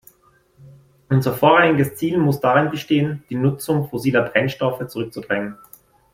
Unser vorrangiges Ziel muss darin bestehen, die Nutzung fossiler Brennstoffe zurückzudrängen.